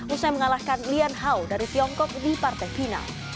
usai mengalahkan lian hao dari tiongkok di partai final